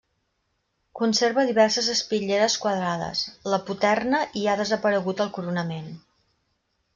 Conserva diverses espitlleres quadrades, la poterna i ha desaparegut el coronament.